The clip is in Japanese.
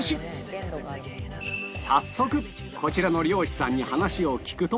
早速こちらの漁師さんに話を聞くと